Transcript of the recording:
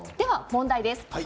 問題です